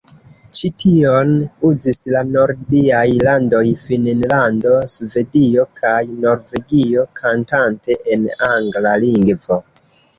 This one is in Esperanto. Ĉi-tion uzis la nordiaj landoj Finnlando, Svedio kaj Norvegio, kantante en angla lingvo.